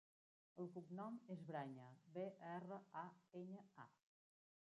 El cognom és Braña: be, erra, a, enya, a.